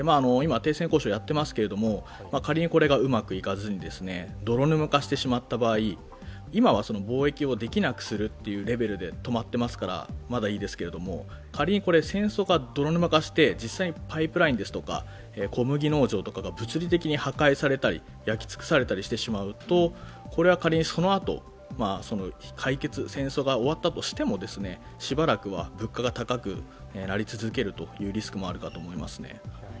今、停戦交渉をやっていますけれども、仮にこれがうまくいかずに泥沼化してしまった場合、今は貿易をできなくするというレベルで止まっていますからまだいいですけれども、仮に戦争が泥沼化して実際にパイプラインですとか小麦農場が物理的に破壊されたり焼き尽くされたりしてしまうとこれは仮にその後、解決、戦争が終わったとしても、しばらくは物価が高くなり続けるというリスクもあると思います。